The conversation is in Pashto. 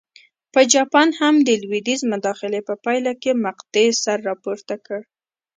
په جاپان هم د لوېدیځ مداخلې په پایله کې مقطعې سر راپورته کړ.